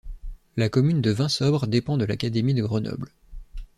La commune de Vinsobres dépend de l'académie de Grenoble.